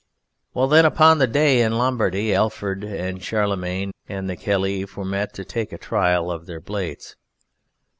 Well then, upon that day in Lombardy Alfred and Charlemagne and the Kaliph were met to take a trial of their blades.